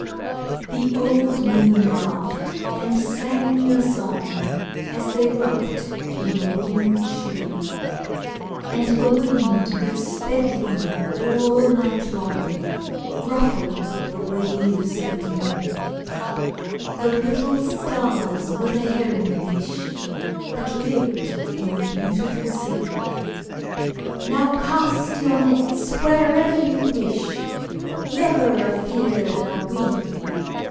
The old moon laughed and sang a song, As they rocked in the wooden shoe; And the wind that sped them all night long Ruffled the waves of dew; The little stars were the herring fish That lived in the beautiful sea. "Now cast your nets wherever you wish,— Never afeard are we!"